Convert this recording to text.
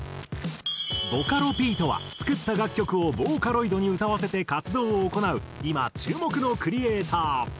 ボカロＰとは作った楽曲をボーカロイドに歌わせて活動を行う今注目のクリエイター。